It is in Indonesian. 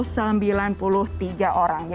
jadi lagi lagi over capacity ya